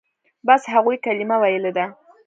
بس هغوى کلمه ويلې ده.